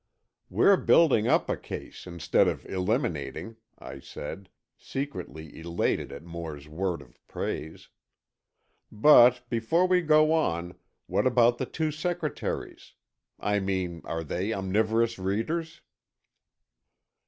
"We're building up a case instead of eliminating," I said, secretly elated at Moore's word of praise. "But before we go on, what about the two secretaries? I mean, are they omnivorous readers?"